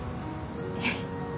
えっ。